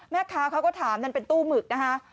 แม่ค้าเขาก็ถามนั่นเป็นตู้หมึกนะคะ